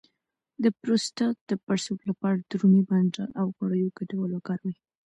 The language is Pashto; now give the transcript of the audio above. د پروستات د پړسوب لپاره د رومي بانجان او غوړیو ګډول وکاروئ